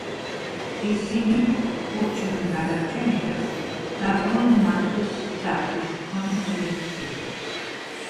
ისინი ურჩევენ გადარჩენილებს, დატოვონ მათთვის საფრთხის მქონე კოროსის სისტემა.